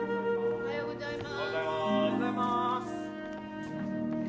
おはようございます。